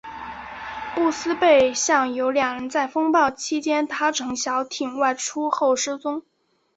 布斯贝港有两人在风暴期间搭乘小艇外出后失踪。